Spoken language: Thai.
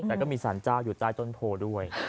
แต่ก็มีสารเจ้าอยู่ใต้ต้นโพด้วย